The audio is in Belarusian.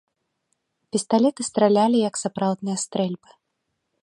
Пісталеты стралялі, як сапраўдныя стрэльбы.